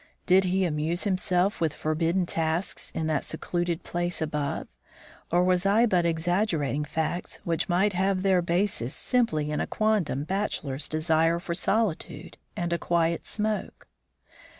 Did he amuse himself with forbidden tasks in that secluded place above, or was I but exaggerating facts which might have their basis simply in a quondam bachelor's desire for solitude and a quiet smoke.